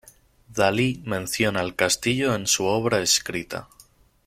Dalí menciona el Castillo en su obra escrita.